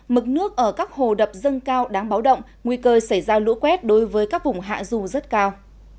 mực nước ở các hồ đập dâng cao đáng báo động nguy cơ xảy ra lũ quét đối với các vùng hạ dù rất cao